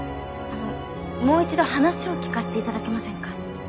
あのもう一度話を聞かせて頂けませんか？